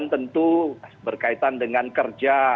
tentu berkaitan dengan kerja